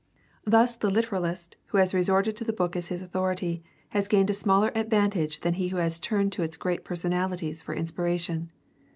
Thus the literalist, who has resorted to the book as his authority, has gained a smaller advantage than he who has turned to its great personalities for inspiration.